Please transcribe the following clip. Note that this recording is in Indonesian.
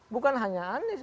bukan hanya anies